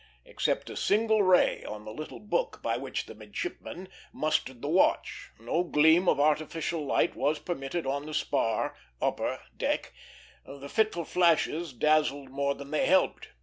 Except a single ray on the little book by which the midshipman mustered the watch, no gleam of artificial light was permitted on the spar upper deck; the fitful flashes dazzled more than they helped.